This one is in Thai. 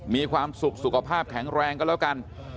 มีความสุขสุขภาพแข็งแรงก็แล้วกัน